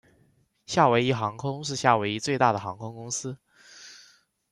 夏威夷航空是夏威夷最大的航空公司。